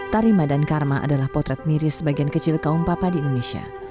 tarima dan karma adalah potret miris sebagian kecil kaum papa di indonesia